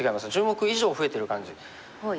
１０目以上増えてる感じ。